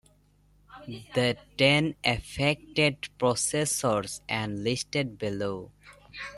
The ten affected processors are listed below.